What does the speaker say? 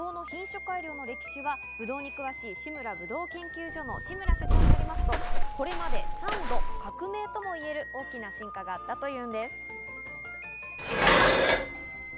日本におけるブドウの品種改良の歴史はブドウに詳しい志村葡萄研究所の志村所長によりますとこれまで３度、革命ともいえる大きな進化があったというんです。